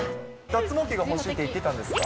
脱毛器が欲しいって言ってたんですか？